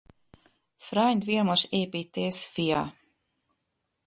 Freund Vilmos építész fia.